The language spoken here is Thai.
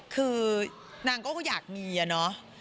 คือนางก็อยากมีนะ